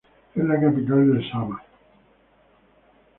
Es la capital del Sámar.